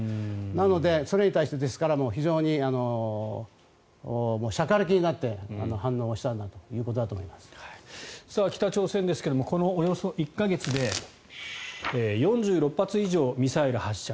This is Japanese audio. なので、それに対して非常にしゃかりきになって北朝鮮ですがこのおよそ１か月で４６発以上、ミサイルを発射。